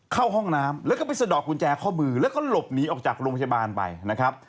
เข้าห้องน้ำแล้วก็ไปสะดอกกุญแจข้อมือแล้วก็หลบหนีออกจากโรงพยาบาลไปนะครับ